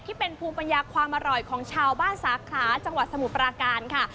ที่เป็นภูมิปัญญาความอร่อยของชาวบ้านสาขาจังหวัดสมุทรปราการค่ะ